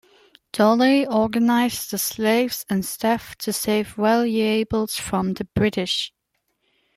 Dolley organized the slaves and staff to save valuables from the British.